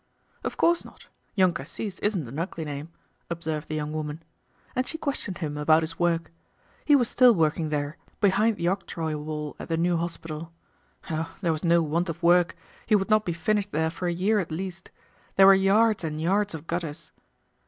"Of course not. Young Cassis isn't an ugly name," observed the young woman. And she questioned him about his work. He was still working there, behind the octroi wall at the new hospital. Oh! there was no want of work, he would not be finished there for a year at least. There were yards and yards of gutters!